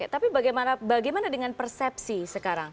tapi bagaimana dengan persepsi sekarang